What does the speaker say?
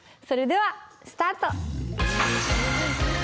それではスタート！